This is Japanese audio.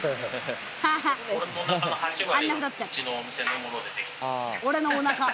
俺のおなかの８割は、うちの店のものでできてる。